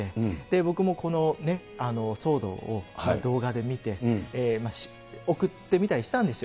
僕もこの騒動を動画で見て、送ってみたりしたんですよ。